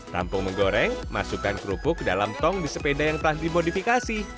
rampung menggoreng masukkan kerupuk ke dalam tong di sepeda yang telah dimodifikasi